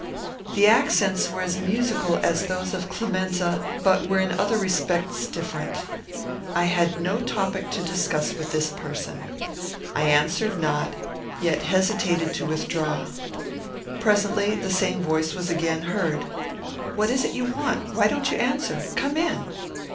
The accents were as musical as those of Clemenza, but were in other respects different. I had no topic to discuss with this person. I answered not, yet hesitated to withdraw. Presently the same voice was again heard: "What is it you want? Why don't you answer? Come in!"